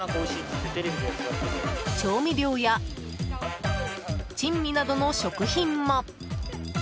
調味料や、珍味などの食品も。